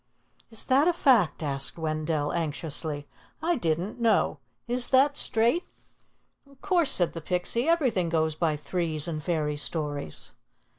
"Is that a fact?" asked Wendell anxiously. "I didn't know. Is that straight?" "Of course," said the Pixie. "Everything goes by threes in fairy stories."